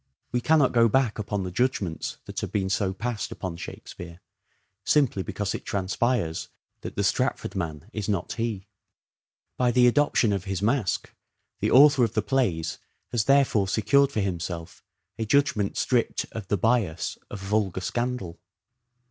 We cannot go back upon the judgments that have been so passed upon " Shakespeare," simply because it transpires that the Stratford man is not he. By the adoption of his mask the author of the plays has therefore secured for himself a judgment stripped of the bias of " vulgar scandal."